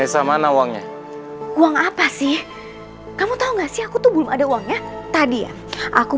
rede mana uangnya uang apa sih kamu tau nggak sih aku belum ada uangnya tadi aku